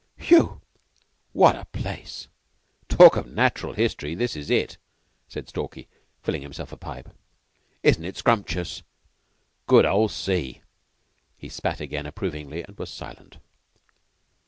"Whew! What a place! Talk of natural history; this is it," said Stalky, filling himself a pipe. "Isn't it scrumptious? Good old sea!" He spat again approvingly, and was silent.